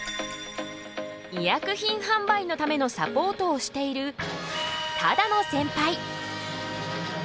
医薬品販売のためのサポートをしている只野センパイ。